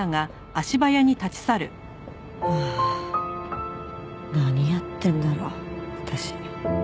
ああ何やってんだろ私。